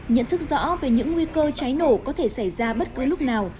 nhận thức rõ về những nguy cơ cháy nổ có thể xảy ra bất cứ lúc nào